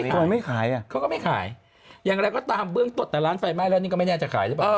เขาก็ไม่ขายอย่างไรก็ตามเบื้องตดแต่ร้านไฟไม่แล้วนี่ก็ไม่แน่จะขาย